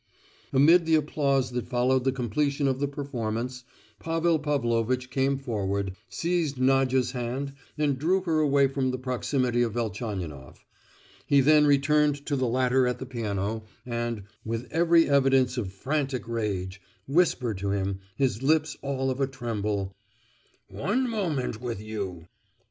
Amid the applause that followed the completion of the performance, Pavel Pavlovitch came forward, seized Nadia's hand and drew her away from the proximity of Velchaninoff; he then returned to the latter at the piano, and, with every evidence of frantic rage, whispered to him, his lips all of a tremble, "One moment with you!"